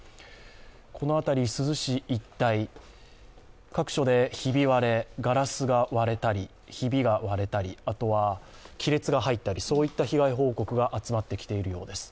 このあたり、珠洲市一帯、各所でガラスが割れたりひびが割れたり、亀裂が入ったりという被害報告が入ってきているようです